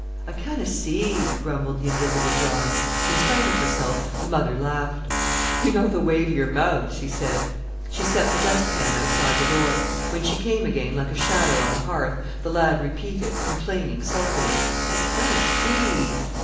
"I canna see," grumbled the invisible John. In spite of herself, the mother laughed. "You know the way to your mouth," she said. She set the dustpan outside the door. When she came again like a shadow on the hearth, the lad repeated, complaining sulkily: "I canna see."